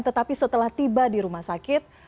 tetapi setelah tiba di rumah sakit